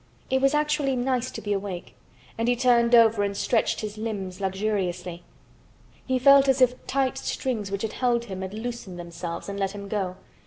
It was actually nice to be awake, and he turned over and stretched his limbs luxuriously. He felt as if tight strings which had held him had loosened themselves and let him go.